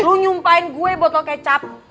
lu nyumpahin gue botol kecap